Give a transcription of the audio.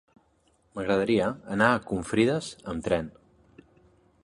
M'agradaria anar a Confrides amb tren.